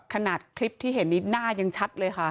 ขนาดคลิปที่เห็นนี้หน้ายังชัดเลยค่ะ